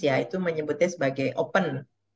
ya itu menyebutnya sebagai open